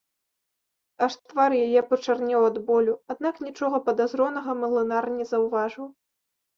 Аж твар яе пачарнеў ад болю, аднак нічога падазронага млынар не заўважыў.